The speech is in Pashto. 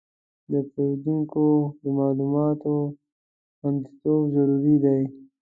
د پیرودونکو د معلوماتو خوندیتوب ضروري دی.